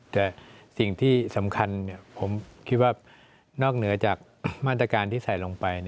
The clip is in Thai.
แต่สิ่งที่สำคัญผมคิดว่านอกเหนือจากมาตรการที่ใส่ลงไป